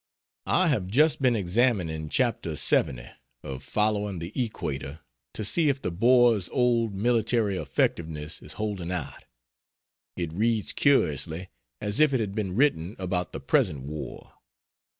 I have just been examining chapter LXX of "Following the Equator," to see if the Boer's old military effectiveness is holding out. It reads curiously as if it had been written about the present war.